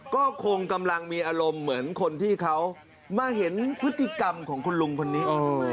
ก็คงกำลังมีอารมณ์เหมือนคนที่เขามาเห็นพฤติกรรมของคุณลุงคนนี้